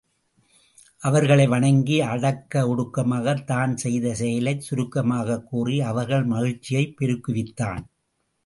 அவர்களை வணங்கி அடக்க ஒடுக்கமாகத தான் செய்த செயலைச் சுருக்கமாகக் கூறி அவர்கள் மகிழ்ச்சியைப் பெருக்குவித்தான்.